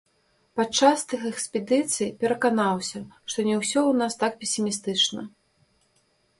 Падчас тых экспедыцый пераканаўся, што не ўсё ў нас так песімістычна.